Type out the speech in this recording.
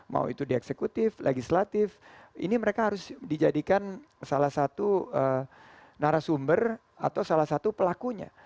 mau itu di eksekutif legislatif ini mereka harus dijadikan salah satu narasumber atau salah satu pelakunya